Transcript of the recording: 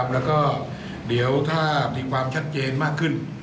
แล้วก็เดี๋ยวถ้ามีความชัดเจนมากขึ้น